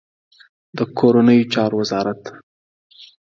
د کورنیو چارو وزارت